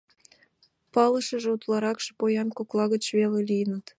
Палышыже утларакше поян кокла гыч веле лийыныт.